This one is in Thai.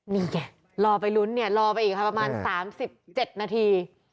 นี่รอไปรุ้นรอไปอีกประมาณ๓๗นาที